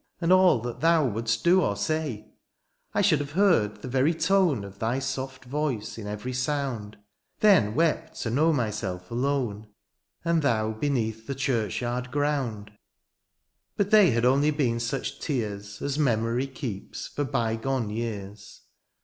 And all that thou wouldst do or say ; I should have heard the very tone Of thy soft voice in every sound. Then wept to know myself alone. And thou beneath the church yard ground : But they had only been such tears As memory keeps for by gone years.